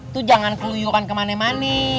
tuh jangan keluyukan ke mani mani